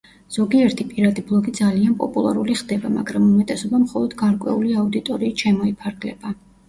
ზოგიერთი პირადი ბლოგი ძალიან პოპულარული ხდება, მაგრამ უმეტესობა მხოლოდ გარკვეული აუდიტორიით შემოიფარგლება.